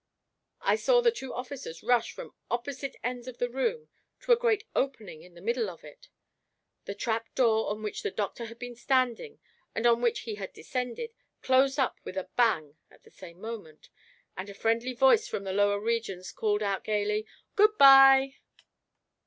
I saw the two officers rush from opposite ends of the room to a great opening in the middle of it. The trap door on which the doctor had been standing, and on which he had descended, closed up with a bang at the same moment; and a friendly voice from the lower regions called out gayly, "Good by!"